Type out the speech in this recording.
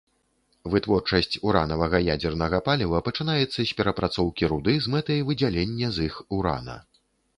Вытворчасць уранавага ядзернага паліва пачынаецца з перапрацоўкі руды з мэтай выдзялення з іх урана.